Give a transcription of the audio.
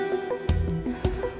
kalau aku lupa